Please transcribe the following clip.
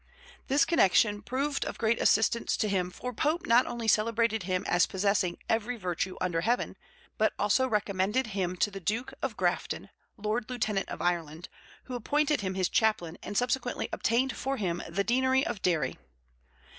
This connection proved of great assistance to him, for Pope not only celebrated him as possessing "every virtue under heaven", but also recommended him to the Duke of Grafton, Lord Lieutenant of Ireland, who appointed him his chaplain and subsequently obtained for him the deanery of Derry.